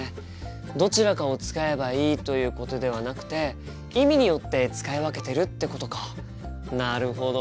どちらかを使えばいいということではなくて意味によって使い分けてるってことかなるほど。